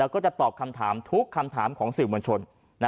ก็จะตอบคำถามทุกคำถามของสิ่งมันชน